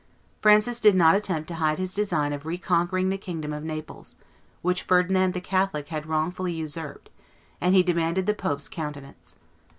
Francis did not attempt to hide his design of reconquering the kingdom of Naples, which Ferdinand the Catholic had wrongfully usurped, and he demanded the pope's countenance.